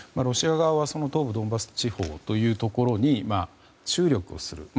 ロシア側は東部ドンバス地方というところに注力をする。